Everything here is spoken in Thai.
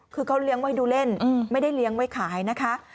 คือเขาเลี้ยงไว้ดูเล่นไม่ได้เลี้ยงไว้ขายนะคะ